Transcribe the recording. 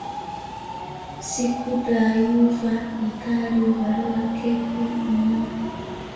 Siku dha yuva ikali huvaliwa kepu nno